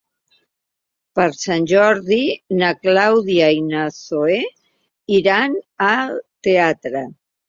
Per Sant Jordi na Clàudia i na Zoè iran al teatre.